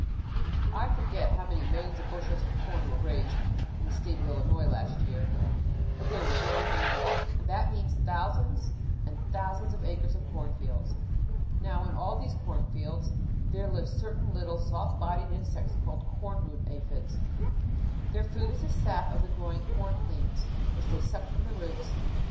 "I forget how many millions of bushels of corn were raised in the state of Illinois last year, but they were very many. And that means thousands and thousands of acres of corn fields. Now in all these corn fields there live certain tiny soft bodied insects called corn root aphids. Their food is the sap of the growing corn plants which they suck from the roots.